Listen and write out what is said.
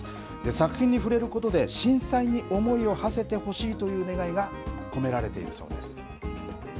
作品に触れることで震災に思いをはせてほしいという願いが込められているそうです。